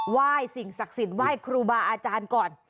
ไหว้สิ่งศักดิ์สิทธิ์ไหว้ครูบาอาจารย์ก่อน